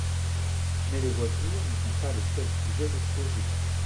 Mais les voitures ne sont pas les seuls sujets exposés.